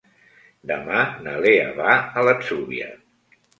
Demà na Lea va a l'Atzúbia.